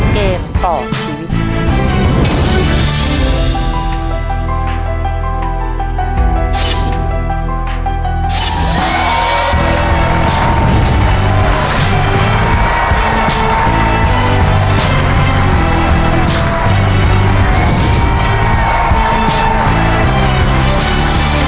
เกมต่อชีวิต